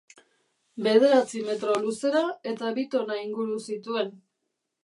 Bederatzi metro luzera eta bi tona inguru zituen.